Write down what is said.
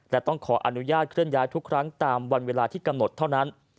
และต้องขออนุญาตเคลื่อนย้ายทุกครั้งตามวันเวลาที่กำหนดเท่านั้น